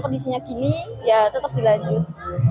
kondisinya gini ya tetap dilanjut